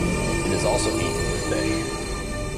It is also eaten with fish.